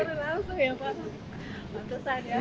lalu terusan ya